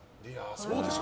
そうでしょ。